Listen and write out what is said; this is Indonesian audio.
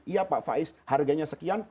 iya pak faiz harganya sekian